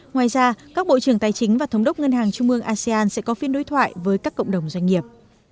ngoài ra các bộ trưởng tài chính và thống đốc ngân hàng trung ương asean sẽ có phiên đối thoại với các cộng đồng doanh nghiệp